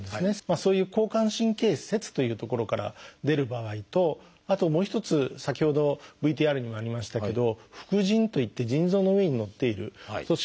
そういう交感神経節という所から出る場合とあともう一つ先ほどＶＴＲにもありましたけど副腎といって腎臓の上にのっている組織があるんですけど。